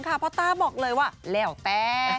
เพราะต้าบอกเลยว่าแล้วแต่